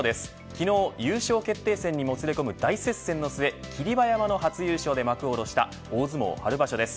昨日優勝決定戦にもつれ込む大接戦の末霧馬山の初優勝で幕を下ろした大相撲春場所です。